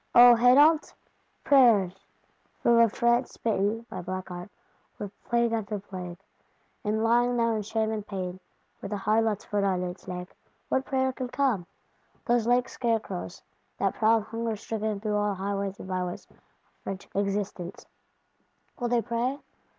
O Hénault! Prayers? From a France smitten (by black art) with plague after plague, and lying now in shame and pain, with a Harlot's foot on its neck, what prayer can come? Those lank scarecrows, that prowl hunger stricken through all highways and byways of French Existence, will they pray?